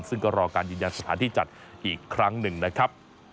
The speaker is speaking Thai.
ซึ่งก็รอการยืนยันสถานที่จัดอีกครั้งหนึ่งนะครับ